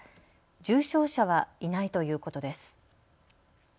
重症者はいないということです。